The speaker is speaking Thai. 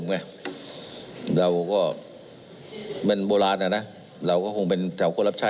ไงเราก็มันโบราณอ่ะนะเราก็คงเป็นแถวคนรับใช้